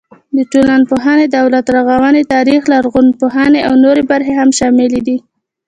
د ټولنپوهنې، دولت رغونې، تاریخ، لرغونپوهنې او نورې برخې هم شاملې دي.